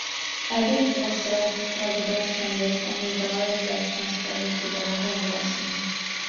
Edith was selected for the gas chambers, and her daughters were transported to Bergen-Belsen.